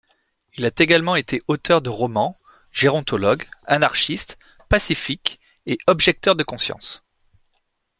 Il a également été auteur de romans, gérontologue, anarchiste, pacifiste et objecteur de conscience.